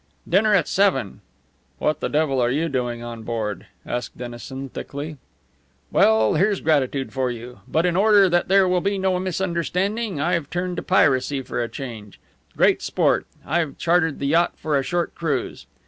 "Dinner at seven." "What the devil are you doing on board?" asked Dennison, thickly. "Well, here's gratitude for you! But in order that there will be no misunderstanding, I've turned to piracy for a change. Great sport! I've chartered the yacht for a short cruise."